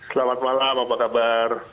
selamat malam apa kabar